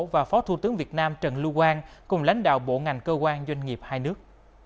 và phó thủ tướng việt nam trần lưu quang cùng lãnh đạo bộ ngành cơ quan doanh nghiệp hai nước